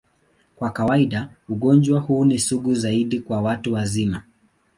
Kwa kawaida, ugonjwa huu ni sugu zaidi kwa watu wazima.